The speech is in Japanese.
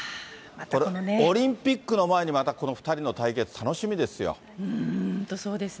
オリンピックの前に、またこの２人の対決、楽しみですよ。